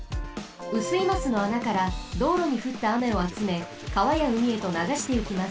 雨水ますの穴からどうろにふったあめをあつめかわやうみへとながしてゆきます。